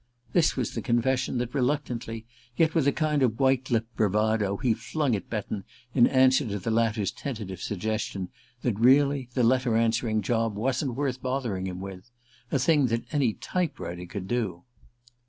This was the confession that, reluctantly, yet with a kind of white lipped bravado, he flung at Betton in answer to the latter's tentative suggestion that, really, the letter answering job wasn't worth bothering him with a thing that any type writer could do.